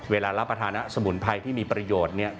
เวลารับประทานสมุนไพรที่มีประโยชน์เนี่ย